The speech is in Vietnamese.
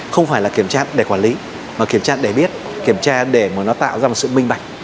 không phải là kiểm tra để quản lý mà kiểm tra để biết kiểm tra để mà nó tạo ra một sự minh bạch